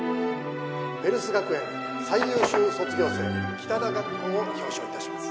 ヴェルス学園最優秀卒業生北田岳くんを表彰いたします